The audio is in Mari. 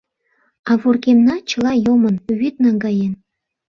А вургемна чыла йомын, вӱд наҥгаен.